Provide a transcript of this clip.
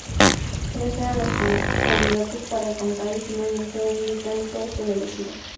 Tres eran los candidatos para contratar y finalmente un británico es el elegido.